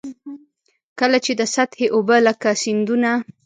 کله چي د سطحي اوبو لکه سیندونه.